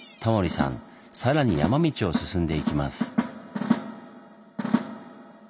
さらに山道を進んでいきます。